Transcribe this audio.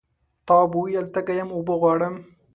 تواب وویل تږی یم اوبه غواړم.